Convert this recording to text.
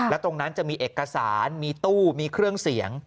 และตรงนั้นจะมีเอกสารมีตู้มีเครื่องเสียง